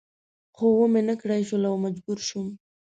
خو و مې نه کړای شول او مجبور شوم.